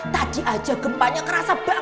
tadi aja gempanya kerasa banget